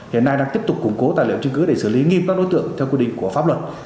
hiện nay đang tiếp tục củng cố tài liệu chứng cứ để xử lý nghiêm các đối tượng theo quy định của pháp luật